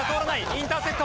インターセプト。